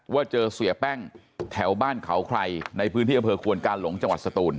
ว่าเจอเสียแป้งแถวบ้านเขาใครในพื้นที่อำเภอควนกาหลงจังหวัดสตูน